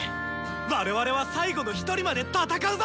我々は最後のひとりまで戦うぞ！